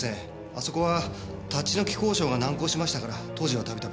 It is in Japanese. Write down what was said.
あそこは立ち退き交渉が難航しましたから当時は度々。